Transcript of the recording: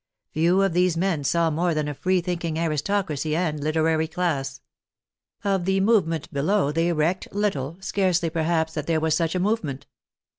Few of these men saw more than a free thinking aristocracy and literary class. Of the movement below they recked little, scarcely perhaps that there was such a movement.